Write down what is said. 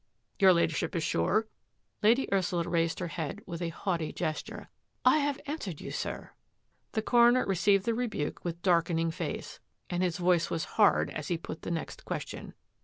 " Your Ladyship is sure? " Lady Ursula raised her head with a haughty gesture. " I have answered you, sir." The coroner received the rebuke with darkening face, and his voice was hard as he put the next question.